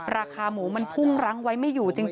ราคาหมูมันพุ่งรั้งไว้ไม่อยู่จริง